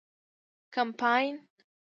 کمپاین